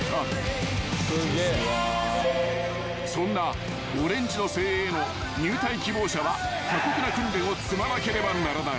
［そんなオレンジの精鋭への入隊希望者は過酷な訓練を積まなければならない］